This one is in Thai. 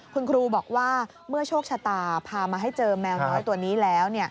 คุณครูบอกว่าเมื่อโชคชะตาพามาให้เจอแมวน้อยตัวนี้แล้ว